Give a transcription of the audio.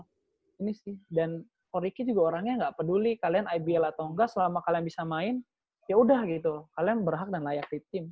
itu yang kayak gini sih dan ko riki juga orangnya nggak peduli kalian ibl atau nggak selama kalian bisa main ya udah gitu kalian berhak dan layak di tim